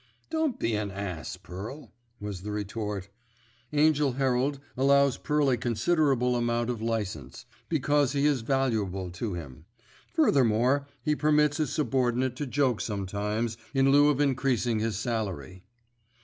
"Don't be an ass, Pearl," was the retort. Angell Herald allows Pearl a considerable amount of licence, because he is valuable to him. Furthermore, he permits his subordinate to joke sometimes, in lieu of increasing his salary.